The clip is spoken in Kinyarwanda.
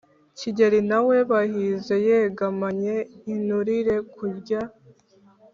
kigeli na we bahize yegamanye inturirekurya